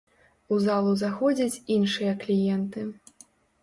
У залу заходзяць іншыя кліенты.